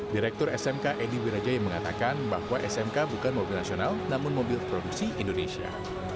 direktur smk edi wirajaya mengatakan bahwa smk bukan mobil nasional namun mobil produksi indonesia